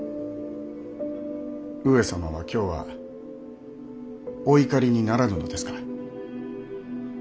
上様は今日はお怒りにならぬのですか？